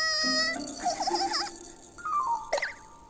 フフフフ。